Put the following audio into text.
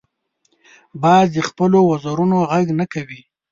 باز د خپلو وزرونو غږ نه کوي